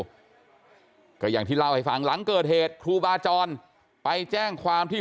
อยู่ก็อย่างที่เล่าให้ฟังหลังเกิดเหตุครูบาจรไปแจ้งความที่